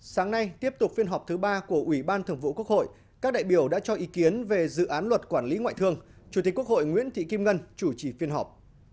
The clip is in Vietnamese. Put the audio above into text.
sáng nay tiếp tục phiên họp thứ ba của ủy ban thường vụ quốc hội các đại biểu đã cho ý kiến về dự án luật quản lý ngoại thương chủ tịch quốc hội nguyễn thị kim ngân chủ trì phiên họp